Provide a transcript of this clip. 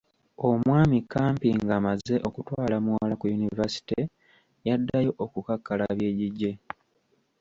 Omwami Kampi ng’amaze okutwala muwala ku yunivasite, yaddayo okukakkalabya egigye.